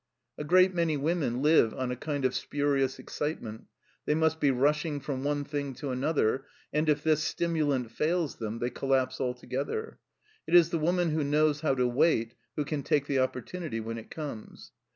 5 A great many women live on a kind of spurious excitement ; they must be rushing from one thing to another, and if this stimulant fails them they collapse altogether. It is the woman who knows how to wait who can take the opportunity when it comes.